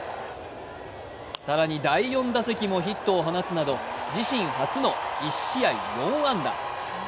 更に第４打席もヒットを放つなど自身初の１試合４安打。